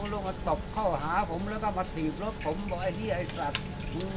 ลงมาตบเข้าหาผมแล้วก็มาถีบรถผมบอกไอ้ที่ไอ้สัตว์